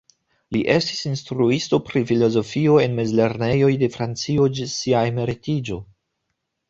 Li estis instruisto pri filozofio en mezlernejoj de Francio ĝis sia emeritiĝo.